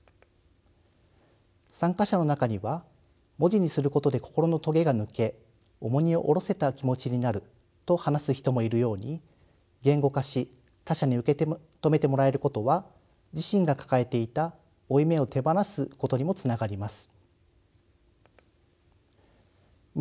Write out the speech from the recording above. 参加者の中には文字にすることで心のトゲが抜け重荷を下ろせた気持ちになると話す人もいるように言語化し他者に受け止めてもらえることは自身が抱えていた負い目を手放すことにもつながります。